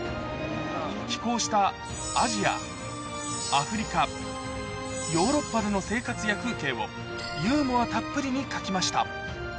寄港したアジア、アフリカ、ヨーロッパでの生活や風景を、ユーモアたっぷりに書きました。